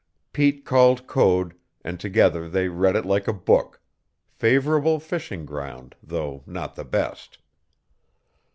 Pete called Code, and together they read it like a book favorable fishing ground, though not the best.